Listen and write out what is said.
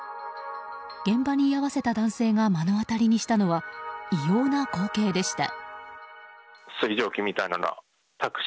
現場に居合わせた男性が目の当たりにしたのは異様な光景でした。